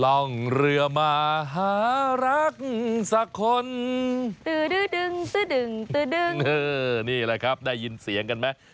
ลองเรือมาหารักสักคนนี่แหละครับได้ยินเสียงกันไหม